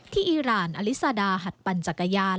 ที่อิราณอลิซาดาหัดปันจักรยาน